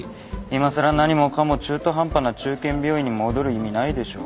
いまさら何もかも中途半端な中堅病院に戻る意味ないでしょ。